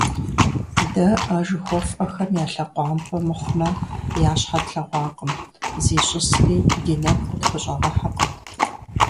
Дэ а жыхуэфӀэхэм я лъэкъуампӀэ мыхъумэ, я щхьэ тлъэгъуакъым, зищӀысри ди нэгу къытхущӀэгъэхьэкъым.